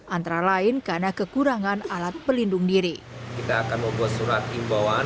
antara lain karena kekurangan alat pelindung diri